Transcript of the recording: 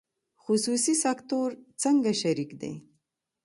خصوصي سکتور څنګه شریک دی؟